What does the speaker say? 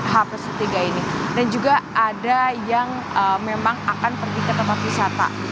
h plus tiga ini dan juga ada yang memang akan pergi ke tempat wisata